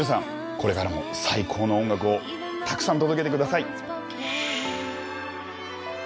これからも最高の音楽をたくさん届けてください！